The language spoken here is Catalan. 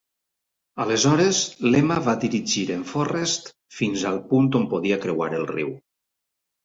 Aleshores, l'Emma va dirigir en Forrest fins al punt on podia creuar el riu.